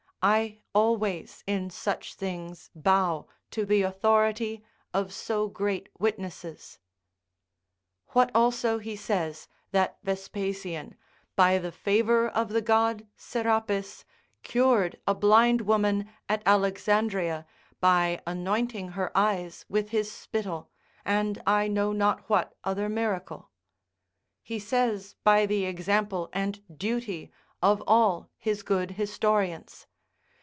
I always in such things bow to the authority of so great witnesses. What also he says, that Vespasian, "by the favour of the god Serapis, cured a blind woman at Alexandria by anointing her eyes with his spittle, and I know not what other miracle," he says by the example and duty of all his good historians.